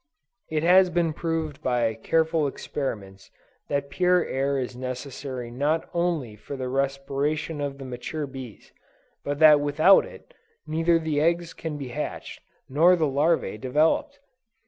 It has been proved by careful experiments that pure air is necessary not only for the respiration of the mature bees, but that without it, neither the eggs can be hatched, nor the larvæ developed.